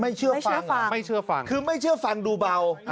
เชื่อฟังไม่เชื่อฟังคือไม่เชื่อฟังดูเบา